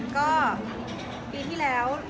ก็ปีที่แล้ว